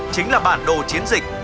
chính là bản đồ chiến dịch